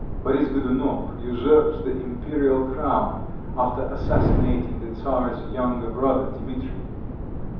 Boris Godounov usurps the imperial crown after assassinating the Czar's younger brother, Dimitri.